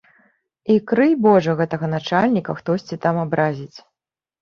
І крый божа гэтага начальніка хтосьці там абразіць.